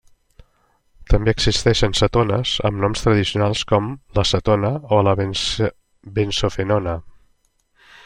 També existeixen cetones amb noms tradicionals com l'acetona o la benzofenona.